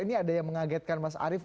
ini ada yang mengagetkan mas arief